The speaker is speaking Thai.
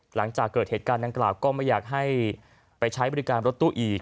หลังจากเกิดเหตุการณ์ดังกล่าวก็ไม่อยากให้ไปใช้บริการรถตู้อีก